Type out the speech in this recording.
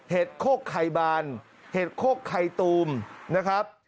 โคกไข่บานเห็ดโคกไข่ตูมนะครับ